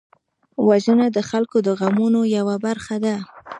وژنه د خلکو د غمونو یوه برخه ده